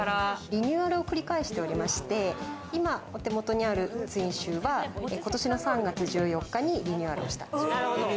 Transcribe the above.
リニューアルを繰り返しておりまして、今お手元にあるツインシューは今年の３月１４日にリニューアルをした。